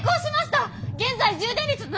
現在充電率７％！